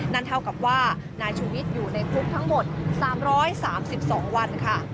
นั่นเท่ากับว่านายชูวิทย์อยู่ในคุกทั้งหมด๓๓๒วันค่ะ